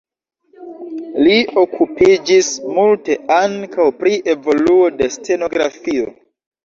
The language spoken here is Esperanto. Li okupiĝis multe ankaŭ pri evoluo de stenografio.